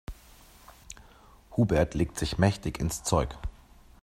Hubert legt sich mächtig ins Zeug.